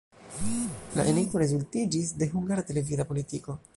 La enigmo rezultiĝis de hungara televida politiko.